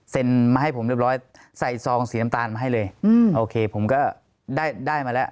มาให้ผมเรียบร้อยใส่ซองสีน้ำตาลมาให้เลยโอเคผมก็ได้ได้มาแล้ว